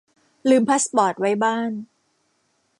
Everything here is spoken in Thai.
ลืมพาสปอร์ตไว้บ้าน